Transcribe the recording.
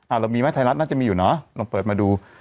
เรามีไหมไทยรัฐน่าจะมีอยู่เนอะลองเปิดมาดู